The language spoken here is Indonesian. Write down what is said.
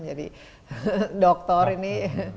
menjadi doktor ini